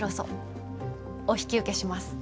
お引き受けします。